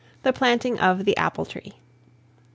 THE PLANTING OF THE APPLE TREE.